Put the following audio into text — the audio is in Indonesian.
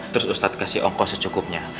terus ustadz kasih ongkos secukupnya